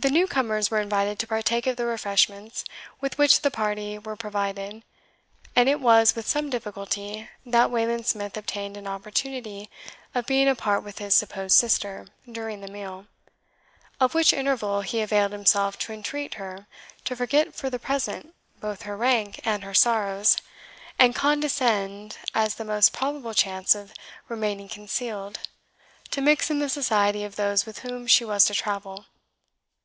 The new comers were invited to partake of the refreshments with which the party were provided; and it was with some difficulty that Wayland Smith obtained an opportunity of being apart with his supposed sister during the meal, of which interval he availed himself to entreat her to forget for the present both her rank and her sorrows, and condescend, as the most probable chance of remaining concealed, to mix in the society of those with whom she was to travel.